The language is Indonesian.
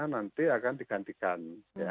nanti akan digantikan